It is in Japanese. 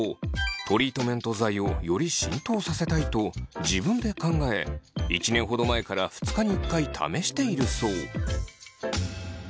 トリートメント剤をより浸透させたいと自分で考え１年ほど前から２日に１回試しているそう。